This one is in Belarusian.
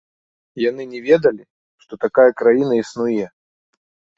Яны не ведалі, што такая краіна існуе.